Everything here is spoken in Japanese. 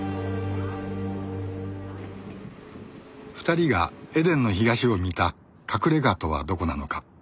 ２人が『エデンの東』を見た隠れ家とはどこなのか